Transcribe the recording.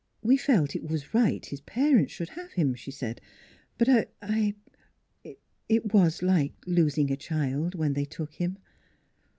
" We felt it was right his parents should have him," she said. " But I we It was like losing a child when they took him."